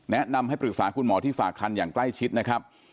แนะนำให้ปรึกษาคุณหมอที่ฝากคันอย่างใกล้ชิดนะครับ